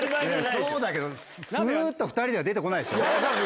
そうだけどスっと２人では出て来ないでしょ。